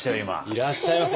いらっしゃいませ。